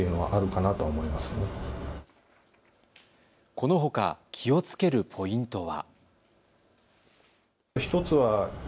このほか気をつけるポイントは。